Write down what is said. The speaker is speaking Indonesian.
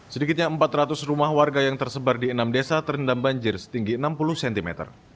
sedikitnya empat ratus rumah warga yang tersebar di enam desa terendam banjir